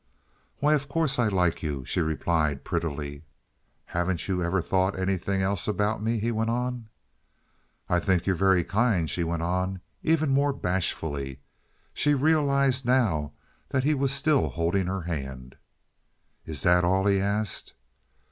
"Why, of course I like you," she replied, prettily. "Haven't you ever thought anything else about me?" he went on. "I think you're very kind," she went on, even more bashfully; she realized now that he was still holding her hand. "Is that all?" he asked.